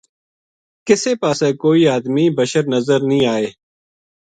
کسے پاس کو ئی ادمی بشر نظر نیہہ آئے